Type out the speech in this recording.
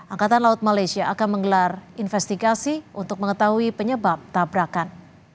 angkatan laut malaysia akan menggelar investigasi untuk mengetahui penyebab tabrakan